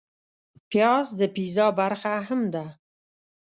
پیاز د پیزا برخه هم ده